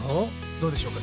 どうでしょうか？